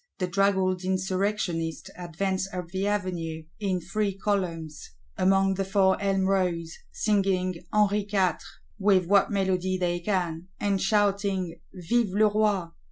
The draggled Insurrectionists advance up the Avenue, "in three columns", among the four Elm rows; "singing Henri Quatre," with what melody they can; and shouting Vive le Roi.